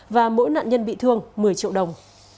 và mỗi nạn nhân bị thương một mươi triệu đồng